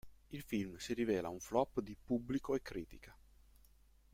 Il film si rivela un flop di pubblico e critica.